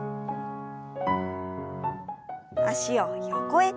脚を横へ。